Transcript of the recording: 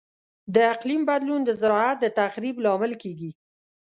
د اقلیم بدلون د زراعت د تخریب لامل کیږي.